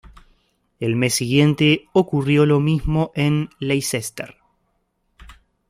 El mes siguiente, ocurrió lo mismo en Leicester.